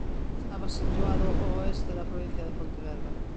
Estaba situado ao oeste da provincia de Pontevedra.